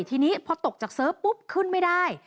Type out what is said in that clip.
ทีนี้พอตกจากเสิร์ฟปุ๊บขึ้นไม่ได้